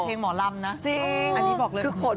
สมศุษย์